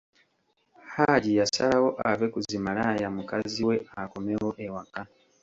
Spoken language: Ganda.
Haji, yasalawo ave ku zimalaaya mukazi we akomewo ewaka.